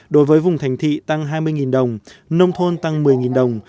đối với vùng thành thị tăng hai mươi đồng nông thôn tăng một mươi đồng